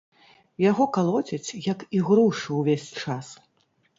Яго калоцяць як ігрушу ўвесь час.